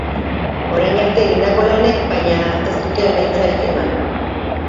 Orain arte egindako lanek, baina, ez dute emaitzarik eman.